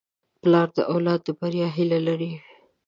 پلار د اولاد د بریا هیله لري.